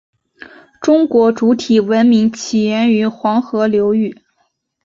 中国主体文明起源于黄河流域。